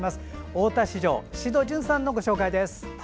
大田市場、宍戸純さんのご紹介です。